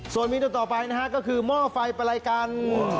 ส่วนเมนูต่อไปนะฮะก็คือหม้อไฟปลายกัน